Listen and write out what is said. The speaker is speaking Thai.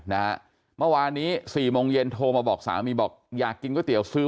เมื่อวานนี้สี่โมงเย็นโทรมาบอกสามีบอกอยากกินก๋วยเตี๋ยวซื้อ